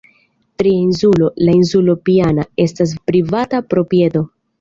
Tria insulo, la insulo Piana, estas privata proprieto.